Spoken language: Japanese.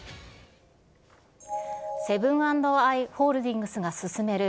セブン＆アイ・ホールディングスが進める